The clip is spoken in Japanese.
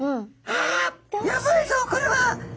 「あやばいぞこれは！